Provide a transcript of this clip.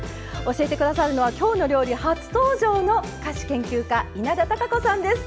教えてくださるのは「きょうの料理」初登場の菓子研究家・稲田多佳子さんです。